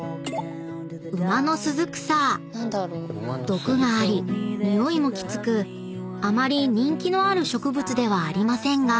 ［毒がありにおいもきつくあまり人気のある植物ではありませんが］